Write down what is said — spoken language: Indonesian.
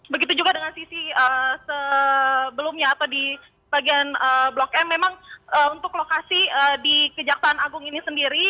begitu juga dengan sisi sebelumnya atau di bagian blok m memang untuk lokasi di kejaksaan agung ini sendiri